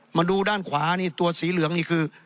มาดูด้านขวานี่ตัวสีเหลืองนี่คือ